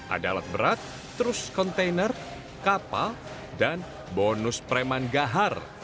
ada alat berat terus kontainer kapal dan bonus preman gahar